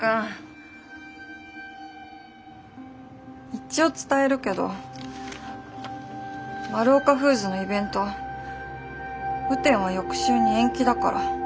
一応伝えるけどマルオカフーズのイベント雨天は翌週に延期だから。